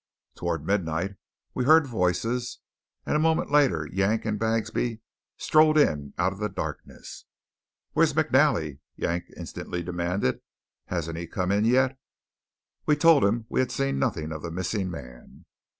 Toward midnight we heard voices; and a moment later Yank and Bagsby strode in out of the darkness. "Where's McNally?" Yank instantly demanded. "Hasn't he come in yet?" We told him we had seen nothing of the missing man.